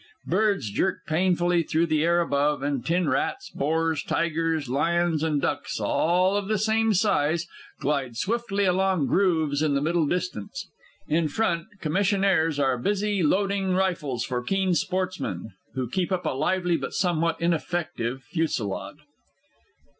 Birds jerk painfully through the air above, and tin rats, boars, tigers, lions, and ducks, all of the same size, glide swiftly along grooves in the middle distance. In front, Commissionnaires are busy loading rifles for keen sportsmen, who keep up a lively but somewhat ineffective fusillade.